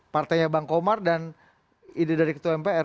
partainya bang komar dan ide dari ketua mpr